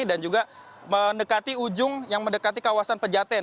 dan juga mendekati ujung yang mendekati kawasan pejaten